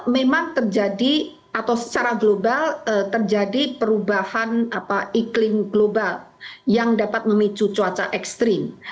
memang terjadi atau secara global terjadi perubahan iklim global yang dapat memicu cuaca ekstrim